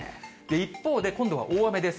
一方で今度は大雨です。